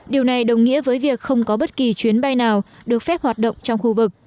điều này đồng nghĩa với việc không có bất kỳ chuyến bay nào được phép hoạt động trong khu vực